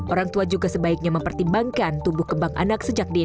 orang tua juga sebaiknya mempertimbangkan tumbuh kembang anak sejak dini